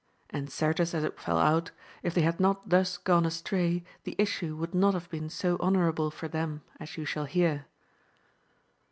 And certes as it fell out, if they had not thus gone astray, the issue would not have been so honourable for them, as you shall hear.